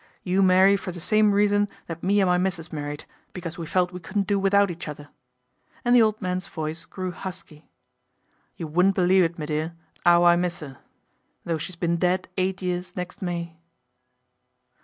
You marry for the same reason that me and my missis married, because we felt we couldn't do without each other," and the old man's voice grew husky " You wouldn't believe it, me dear, 'ow I miss 'er. though she's been dead eight years next May."